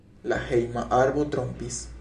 La hejma arbo trompis.